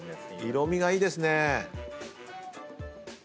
色みがいいですね。